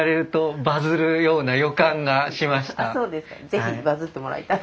ぜひバズってもらいたいです。